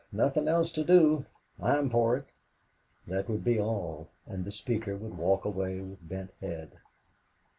"Nothing else to do." "I'm for it." That would be all, and the speaker would walk away with bent head.